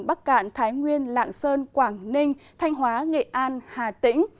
bắc cạn thái nguyên lạng sơn quảng ninh thanh hóa nghệ an hà tĩnh